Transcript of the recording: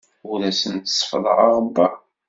Ur asen-seffḍeɣ aɣebbar.